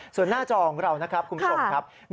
ส่วนหน้าจอของเรานะครับคุณผู้ชมครับ